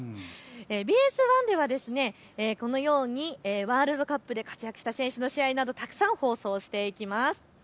ＢＳ１ではワールドカップで活躍した選手の試合などたくさん放送していきます。